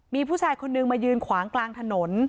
มีผู้ชายคนนึงมายืนขวางกลางถนน